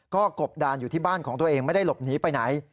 ก็กบดานอยู่ที่บ้านของตัวเองไม่ได้หลบหนีไปไหน